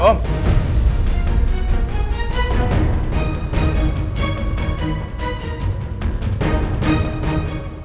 aku gak peduli om